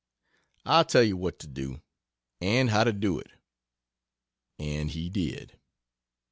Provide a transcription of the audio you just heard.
I'll tell you what to do, and how to do it." And he did.